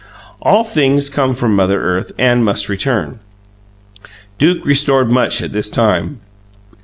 All things come from Mother Earth and must return Duke restored much at this time.